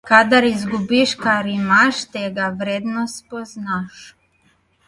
Kadar izgubiš, kar imaš, tega vrednost spoznaš.